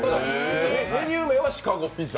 メニュー名はシカゴピザ？